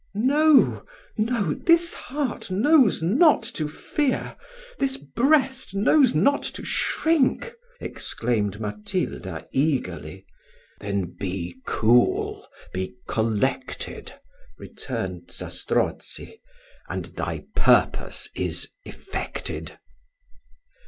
"No, no this heart knows not to fear this breast knows not to shrink," exclaimed Matilda eagerly. "Then be cool be collected," returned Zastrozzi, "and thy purpose is effected."